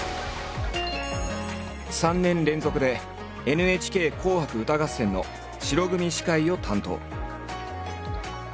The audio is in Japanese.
３年連続で「ＮＨＫ紅白歌合戦」の白組司会を担当。